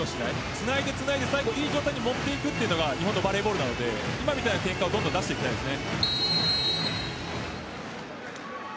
つないでつないでいいところに持っていくというのが日本のバレーボールなので今のような展開を増やしていきたいです。